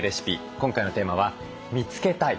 今回のテーマは「見つけたい！